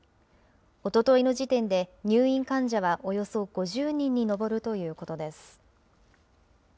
おとといの時点で入院患者は、およそ５０人に上るということです。